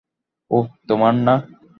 ওহ, তোমার না?